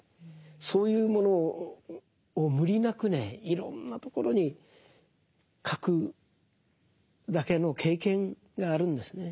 そういうものを無理なくねいろんなところに書くだけの経験があるんですね。